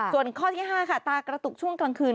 ส่วนข้อที่๕ค่ะตากระตุกช่วงกลางคืน